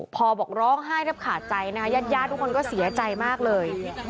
พอบอกร้องไห้แทบขาดใจนะคะญาติญาติทุกคนก็เสียใจมากเลย